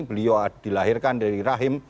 beliau dilahirkan dari rahim